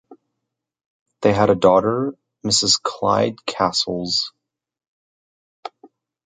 They had a daughter, Mrs. Clyde Cassels.